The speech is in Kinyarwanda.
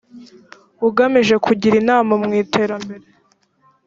ugamije kugira inama mu iterambere